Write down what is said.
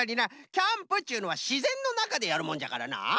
キャンプっちゅうのはしぜんのなかでやるもんじゃからなあ。